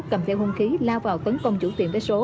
cầm theo hung khí lao vào tấn công chủ tiệm vé số